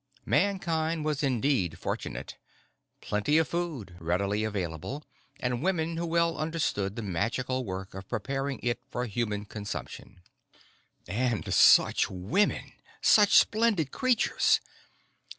Mankind was indeed fortunate: plenty of food, readily available, and women who well understood the magical work of preparing it for human consumption. And such women such splendid creatures!